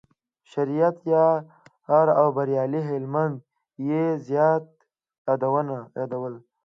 شریعت یار او بریالي هلمند یې زیات یادول.